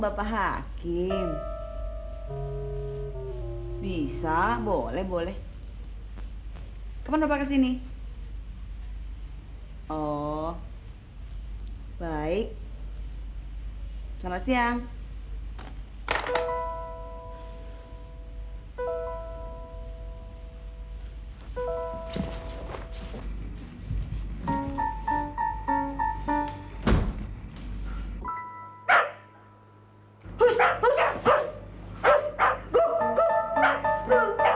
barangkali who'a kamu punya motor lapar ya